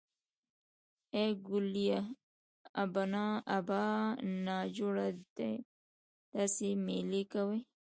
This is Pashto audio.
ای ګوليه ابا نا جوړه دی تاسې مېلې کوئ.